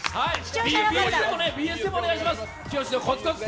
ＢＳでもお願いします。